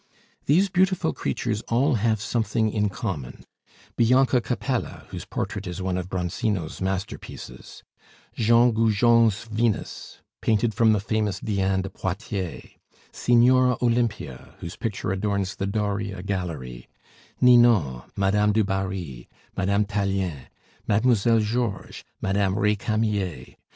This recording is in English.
These beautiful creatures all have something in common: Bianca Capella, whose portrait is one of Bronzino's masterpieces; Jean Goujon's Venus, painted from the famous Diane de Poitiers; Signora Olympia, whose picture adorns the Doria gallery; Ninon, Madame du Barry, Madame Tallien, Mademoiselle Georges, Madame Recamier.